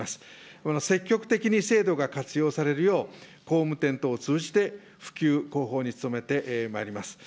この積極的に制度が活用されるよう、工務店等を通じて普及、広報に努めてまいります。